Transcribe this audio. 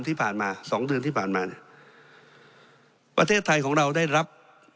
ที่ผ่านมาสองเดือนที่ผ่านมาเนี่ยประเทศไทยของเราได้รับ